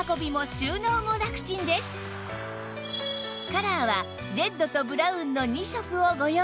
カラーはレッドとブラウンの２色をご用意